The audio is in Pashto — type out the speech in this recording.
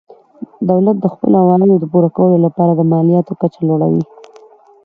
دولت د خپلو عوایدو د پوره کولو لپاره د مالیاتو کچه لوړوي.